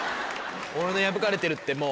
俺の破かれてるってもう。